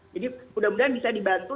jadi mudah mudahan bisa dibantu